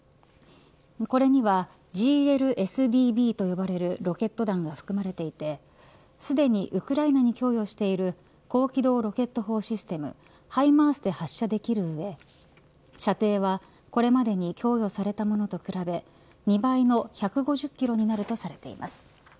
これには、ＧＬＳＤＢと呼ばれるロケット弾が含まれていてすでにウクライナに供与している高機動ロケット砲システムハイマースで発射できる上射程はこれまでに供与されたものと比べ２倍の１５０キロになるとされています。